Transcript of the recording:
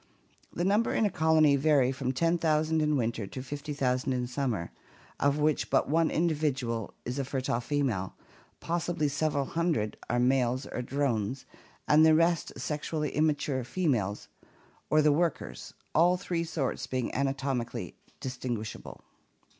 The numbers in a colony vary from ten thousand in winter to fifty thousand in summer, of which but one individual is a fertile female, possibly several hundred are male or drones, and the rest sexually immature females or the workers, all three sorts being anatomically distinguishable.